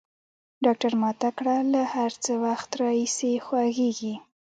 ډاکتر ما ته کړه له څه وخت راهيسي خوږېږي.